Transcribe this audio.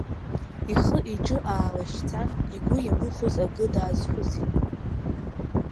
Ихы-иҿы аалашьцан, игәы иамыхәоз акы даазхәыцит.